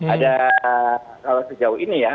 ada kalau sejauh ini ya